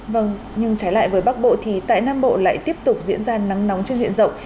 vâng nhưng trái lại với bắc bộ thì tại nam bộ lại tiếp tục diễn ra nắng nóng trên diện rộng